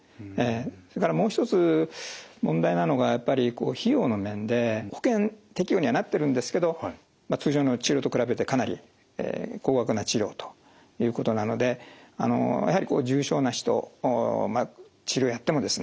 それからもう一つ問題なのがやっぱり費用の面で保険適用にはなってるんですけど通常の治療と比べてかなり高額な治療ということなのでやはりこう重症な人治療やってもですね